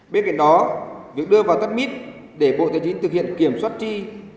bên cạnh đó việc đưa vào tắt mít để bộ tài chính thực hiện kiểm soát chi